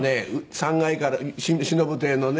３階からしのぶ亭のね